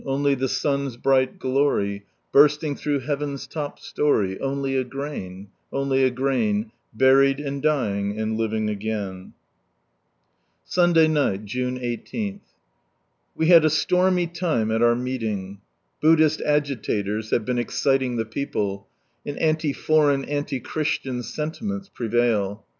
Only the mn'i Mghl glaiy Bursting through heaviu'i lop storey, — Only a grain, only a grainy Bnried and dying and living axaiii." Sunday Jitght, June 18. — We had a stonny time at our meeting. Buddhist agi tators have been exciting the people, and ami foreign, anti Christian sentiments prevail.